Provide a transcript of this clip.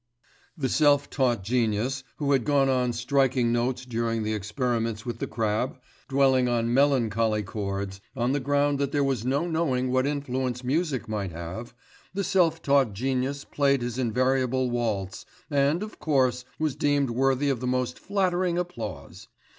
The self taught genius, who had gone on striking notes during the experiments with the crab, dwelling on melancholy chords, on the ground that there was no knowing what influence music might have the self taught genius played his invariable waltz, and, of course, was deemed worthy of the most flattering applause.